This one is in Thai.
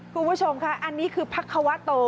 คุณผู้ชมค่ะอันนี้คือพักควะโต